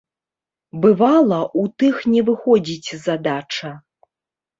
Бывала, у тых не выходзіць задача.